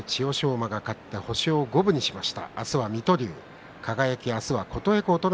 馬が勝って、星を五分としました。